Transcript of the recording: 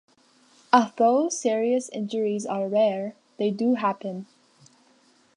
Although serious injuries are rare, they do happen.